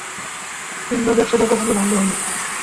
কিংবা ব্যবসাটা কখনোই বন্ধ হয়নি।